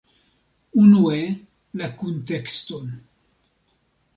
Unue la kuntekston.